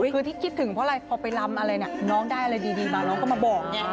คือที่คิดถึงเพราะอะไรพอไปลำอะไรเนี่ยน้องได้อะไรดีมาน้องก็มาบอกไง